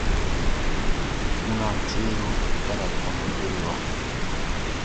Kpunaan tireru ta ra tɔnu derewa.